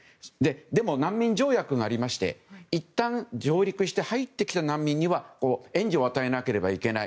でも難民条約がありましていったん、上陸して入ってきた難民には援助を与えなければいけない。